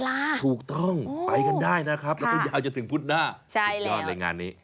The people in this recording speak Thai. ดีดดีดีดี